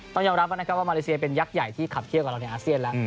ต้องยอมรับนะครับว่ามาเลเซียเป็นยักษ์ใหญ่ที่ขับเคี่ยวกับเราในอาเซียนแล้ว